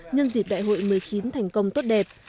nhân dịp đại hội một mươi chín thành công tốt đẹp